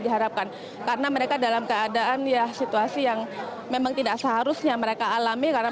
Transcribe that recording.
diharapkan karena mereka dalam keadaan ya situasi yang memang tidak seharusnya mereka alami karena